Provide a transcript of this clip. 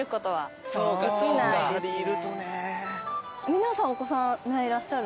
皆さんお子さんいらっしゃる？